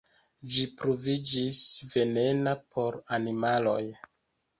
Ĝi pruviĝis venena por animaloj.